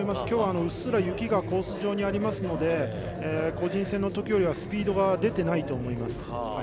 今日はうっすら雪がコース上にありますので個人戦のときよりはスピードが出てないと思います。